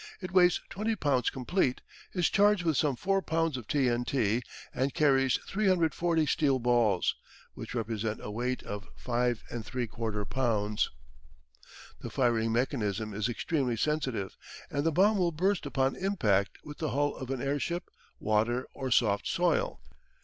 It weighs 20 pounds complete, is charged with some four pounds of T.N.T., and carries 340 steel balls, which represent a weight of 5 3/4 pounds. The firing mechanism is extremely sensitive and the bomb will burst upon impact with the hull of an airship, water, or soft soil.